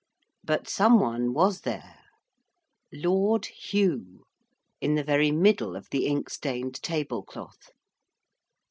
But some one was there: Lord Hugh, in the very middle of the ink stained table cloth.